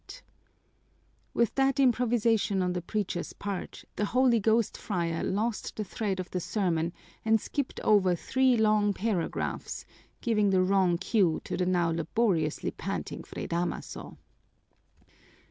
With that improvisation on the preacher's part, the holy ghost friar lost the thread of the sermon and skipped over three long paragraphs, giving the wrong cue to the now laboriously panting Fray Damaso.